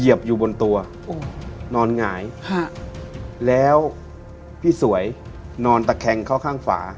เหยียบอยู่บนตัวโอ้นอนหงายฮะแล้วพี่สวยนอนตะแคงเขาข้างฝา